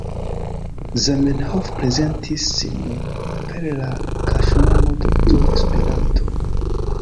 Zamenhof, prezentis sin per la kaŝnomo Doktoro Esperanto.